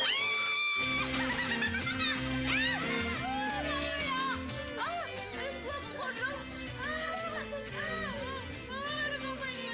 ah lu ngapain ya